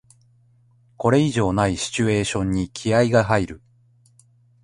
これ以上ないシチュエーションに気合いが入る